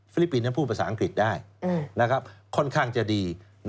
ลิปปินส์พูดภาษาอังกฤษได้ค่อนข้างจะดี